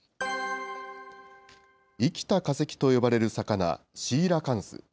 生きた化石と呼ばれる魚、シーラカンス。